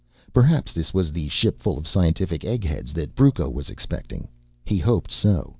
Perhaps this was the shipful of scientific eggheads that Brucco was expecting; he hoped so.